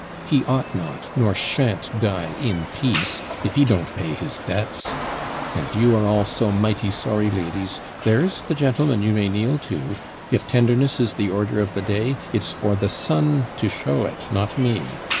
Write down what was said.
he ought not, nor shan't die in peace, if he don't pay his debts; and if you are all so mighty sorry, ladies, there's the gentleman you may kneel to; if tenderness is the order of the day, it's for the son to show it, not me.